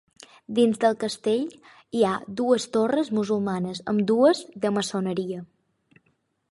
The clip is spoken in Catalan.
Dins del castell hi ha dues torres musulmanes, ambdues de maçoneria.